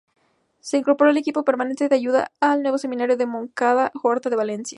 Se incorporó al equipo permanente de ayuda al nuevo Seminario de Moncada-Horta de Valencia.